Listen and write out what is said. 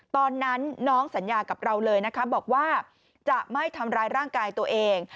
ตอนนั้นน้องสัญญากับเราเลยนะคะบอกว่าจะไม่ทำร้ายร่างกายตัวเอง